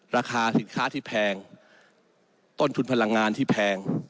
ราคาสินค้าที่แพงต้นทุนพลังงานที่แพง